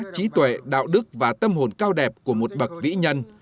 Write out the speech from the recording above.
trí tuệ đạo đức và tâm hồn cao đẹp của một bậc vĩ nhân